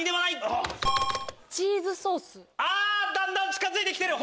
ピンポンだんだん近づいてきてる！